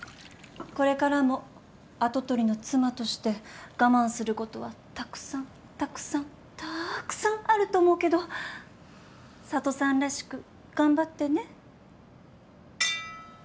これからも跡取りの妻として我慢することはたくさんたくさんたーくさんあると思うけど佐都さんらしく頑張ってね。